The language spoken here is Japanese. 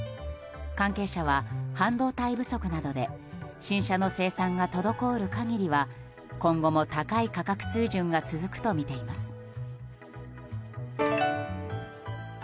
関係者は半導体不足などで新車の生産が滞る限りは今後も高い価格水準が続くとみています。